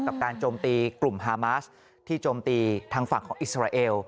กับการโจมตีกลุ่มฮามาสที่โจมตีทางฝั่งของอิสราเอล